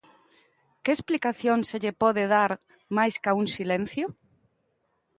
Que explicación se lle pode dar máis ca un silencio?